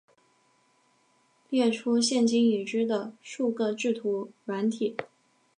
列出现今已知的数个制图软体